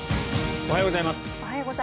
おはようございます。